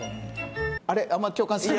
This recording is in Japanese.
あれ？